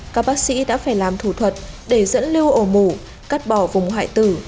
các bác sĩ đã phải làm thủ thuật để dẫn lưu ổ mủ cắt bỏ vùng hoại tử